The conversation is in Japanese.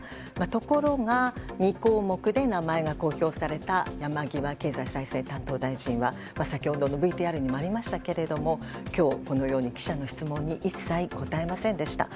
ところが、２項目で名前が公表された山際経済再生担当大臣は先ほどのＶＴＲにもありましたが今日、記者の質問に一切答えませんでした。